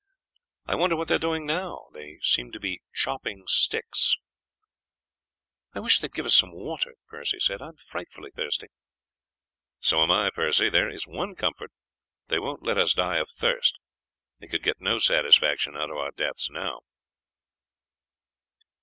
I wonder what they are doing now? They seem to be chopping sticks." "I wish they would give us some water," Percy said. "I am frightfully thirsty." "And so am I, Percy; there is one comfort, they won't let us die of thirst, they could get no satisfaction out of our deaths now."